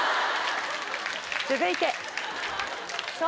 続いて。